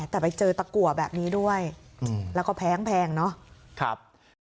แต่ไปเจอตะกัวแบบนี้ด้วยแล้วก็แพงเนาะ